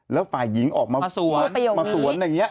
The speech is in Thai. แล้วฝ่ายหญิงออกมาสวนอย่างนี้